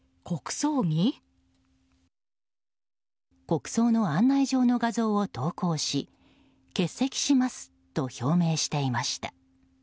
国葬の案内状の画像を投稿し欠席しますと表明していました。